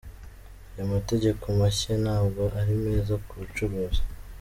Aya mategeko mashya ntabwo ari meza ku bucuruzi.